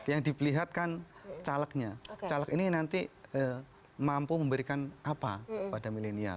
yang diperlihatkan calegnya caleg ini nanti mampu memberikan apa pada milenial